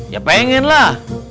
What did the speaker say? ya pengen lah